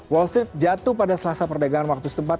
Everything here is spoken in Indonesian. wall street jatuh pada selasa perdagangan waktu setempat